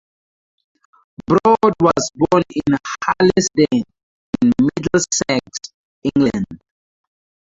Broad was born in Harlesden, in Middlesex, England.